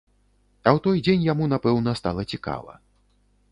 А ў той дзень яму, напэўна, стала цікава.